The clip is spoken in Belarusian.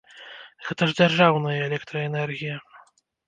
Гэта ж дзяржаўная электраэнергія!